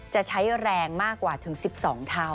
จะใช้แรงมากกว่าถึง๑๒เทา